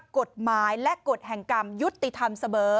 กฎหมายและกฎแห่งกรรมยุติธรรมเสมอ